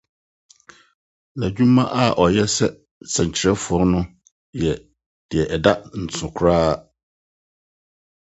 Ná adwuma a ɔyɛ sɛ sɛnkyerɛwfo no yɛ nea ɛda nsow koraa.